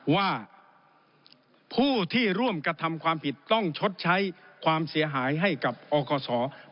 ว่าผู้ที่ร่วมกระทำความผิดต้องชดใช้ความเสียหายให้กับอคศ